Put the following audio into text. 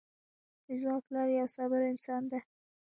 زما پلار یو صابر انسان ده